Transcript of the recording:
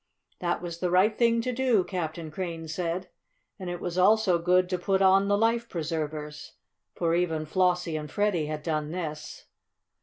"That was the right thing to do," Captain Crane said. "And it was also good to put on the life preservers," for even Flossie and Freddie had done this.